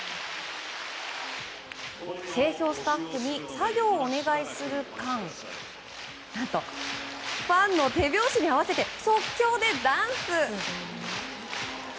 整氷スタッフに作業をお願いする間ファンの手拍子に合わせて即興でダンス。